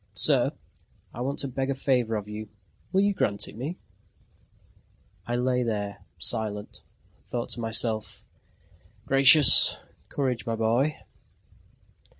"Sir! I want to beg a favour of you. Will you grant it me?" I lay there silent, and thought to myself: "Gracious!... Courage, my boy!"